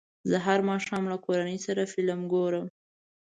زه هر ماښام له کورنۍ سره فلم ګورم.